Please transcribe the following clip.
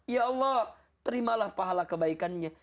ya allah terimalah pahala kebaikannya